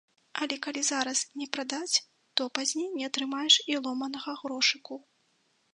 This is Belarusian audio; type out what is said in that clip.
Але калі зараз не прадаць, то пазней не атрымаеш і ломанага грошыку.